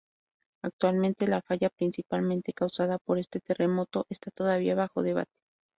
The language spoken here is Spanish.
Actualmente la Falla principalmente causada por este terremoto está todavía bajo debate.